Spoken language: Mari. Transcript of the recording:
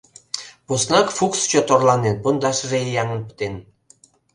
Поснак Фукс чот орланен: пондашыже ияҥын пытен.